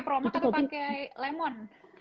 peromak atau pakai lemon